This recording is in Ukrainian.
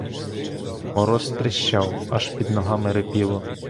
Мороз тріщав, аж під ногами рипіло.